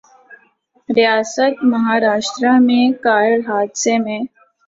ریاست مہاراشٹرا میں کار حادثے میں